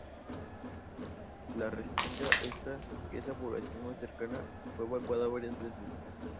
La Restinga, que es la población más cercana, fue evacuada varias veces.